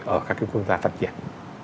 ở các cái quốc gia phát triển